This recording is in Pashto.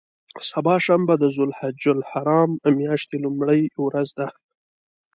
سبا شنبه د ذوالحجة الحرام میاشتې لومړۍ ورځ ده.